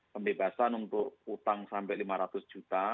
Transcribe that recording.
pembebasan untuk utang sampai lima ratus juta